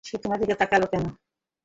সে তোমার দিকে তাকালো কেন?